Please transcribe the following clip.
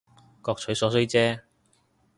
各取所需姐